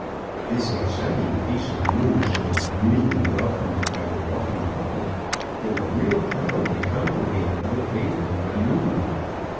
This exciting piece of news was greedily welcomed by the walking public, and a real crowd had congregated on the pavement by noon.